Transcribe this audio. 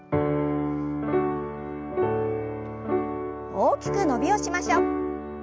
大きく伸びをしましょう。